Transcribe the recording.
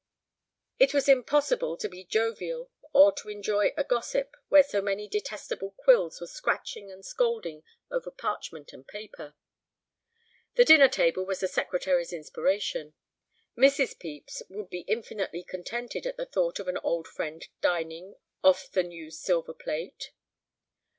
It was impossible to be jovial or to enjoy a gossip where so many detestable quills were scratching and scolding over parchment and paper. The dinner table was the secretary's inspiration. Mrs. Pepys would be infinitely contented at the thought of an old friend dining off the new silver plate.